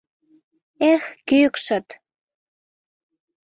Эх, кӱкшыт!